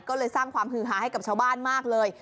ก็เลยสร้างความฮือหาให้กับชาวบ้านมากเลย